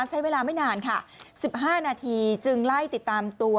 ใช้เวลาไม่นานค่ะ๑๕นาทีจึงไล่ติดตามตัว